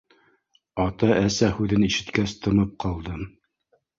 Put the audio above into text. Ата-әсә һүҙен ишеткәс, тымып ҡалдым.